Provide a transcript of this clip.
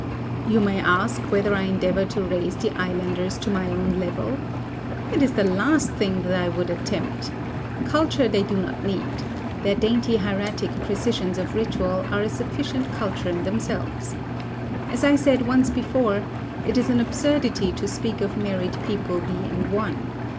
You may ask whether I endeavour to raise the islanders to my own level? It is the last thing that I would attempt. Culture they do not need: their dainty hieratic precisions of ritual are a sufficient culture in themselves. As I said once before, "it is an absurdity to speak of married people being one."